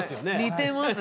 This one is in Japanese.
似てますね。